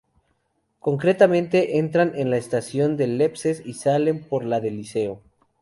Concretamente, entran en la Estación de Lesseps y salen por la de Liceo.